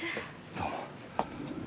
どうも。